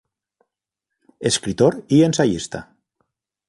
Escritor y ensayista.